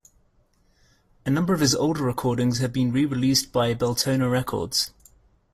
A number of his older recordings have been re-released by Beltona Records.